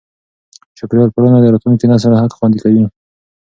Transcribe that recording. چاپېریال پالنه د راتلونکي نسل حق خوندي کوي.